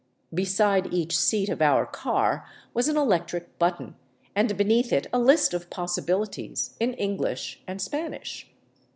Beside each seat of our car was an electric button, and beneath it a list of possibilities, in English and Spanish.